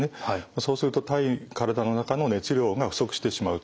そうすると体の中の熱量が不足してしまうと。